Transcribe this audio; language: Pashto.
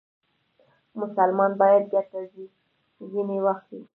مسلمان باید ګټه ځنې واخلي.